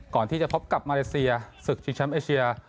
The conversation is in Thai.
ก่อนที่จะพบกับมาเลเซียศึกชิงแชมป์เอเชีย